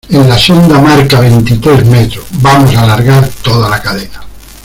en la sonda marca veintitrés metros. vamos a alargar toda la cadena